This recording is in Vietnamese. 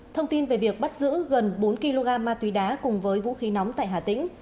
thông tin về việc bắt giữ gần bốn kg ma túy đá cùng với vũ khí nóng tại hà tĩnh